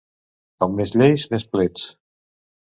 Com més lleis, més plets.